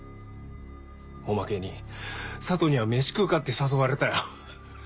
おまけに佐藤には「飯食うか」って誘われたよ。